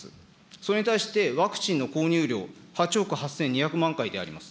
それに対して、ワクチンの購入量、８億８２００万回であります。